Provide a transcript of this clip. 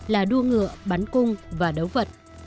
là đua ngựa bắn cung và đấu vật